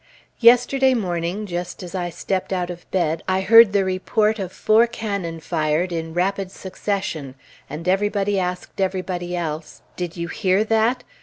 Yesterday morning, just as I stepped out of bed I heard the report of four cannon fired in rapid succession, and everybody asked everybody else, "Did you hear that?"